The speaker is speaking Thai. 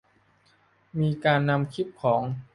มีการนำคลิปของ